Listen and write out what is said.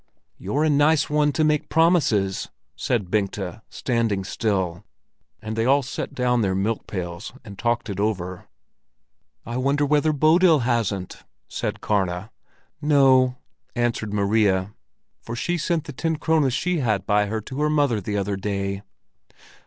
"You're a nice one to make promises!" said Bengta, standing still, and they all set down their milk pails and talked it over. "I wonder whether Bodil hasn't?" said Karna. "No," answered Maria, "for she sent the ten krones she had by her to her mother the other day."